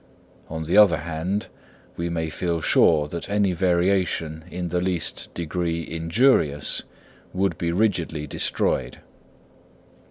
On the other hand, we may feel sure that any variation in the least degree injurious would be rigidly destroyed.